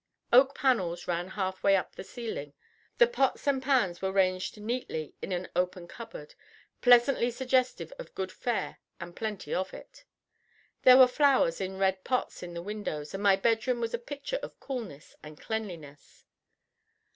Oak panels ran half way up to the ceiling; the pots and pans were ranged neatly in an open cupboard, pleasantly suggestive of good fare and plenty of it. There were flowers in red pots in the windows, and my bedroom was a picture of coolness and cleanliness.